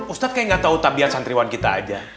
ustaz kayak nggak tahu tabiat santriwan kita aja